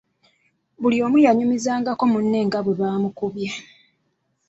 Buli omu yanyumizangako munne nga bwe baamukubye.